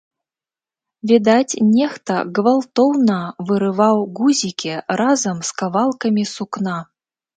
Відаць, нехта гвалтоўна вырываў гузікі разам з кавалкамі сукна.